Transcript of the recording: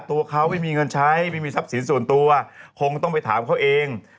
ตัวเขาไม่มีเงินใช้ไม่มีทรัพย์สินส่วนตัวคงต้องไปถามเขาเอง